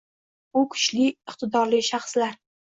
U kuchli, iqtidorli shaxslar.